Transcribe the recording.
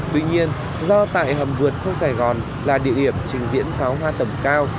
tuy nhiên do tại hầm vượt sông sài gòn là địa điểm trình diễn pháo hoa tầm cao